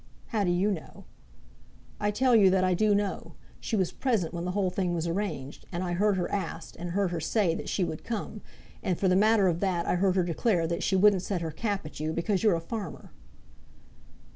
"How do you know?" "I tell you that I do know. She was present when the whole thing was arranged, and I heard her asked, and heard her say that she would come; and for the matter of that I heard her declare that she wouldn't set her cap at you, because you're a farmer."